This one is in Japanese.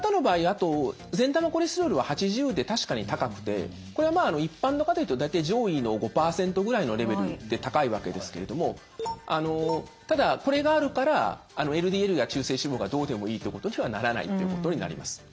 あと善玉コレステロールは８０で確かに高くてこれは一般の方で言うと大体上位の５％ぐらいのレベルで高いわけですけれどもただこれがあるからＬＤＬや中性脂肪がどうでもいいってことにはならないってことになります。